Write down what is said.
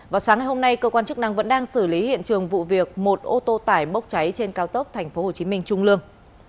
vào sáng ngày hôm nay cơ quan chức năng vẫn đang xử lý hiện trường vụ việc một ô tô tải bốc cháy trên cao tốc thành phố hồ chí minh trung lương